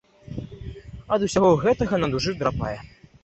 Ад усяго гэтага на душы драпае.